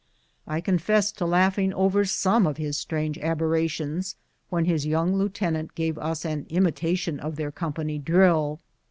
I confess to laughing over some of his strange aberrations when his young lieutenant gave us an imitation of their company drill.